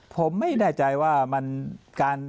ผมไม่แน่ใจว่ามันการ